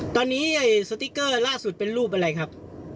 ตอนนี้สติ๊กเกอร์ล่าสุดเป็นรูปอะไรครับ